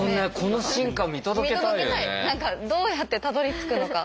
何かどうやってたどりつくのか。